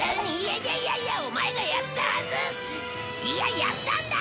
いややったんだ！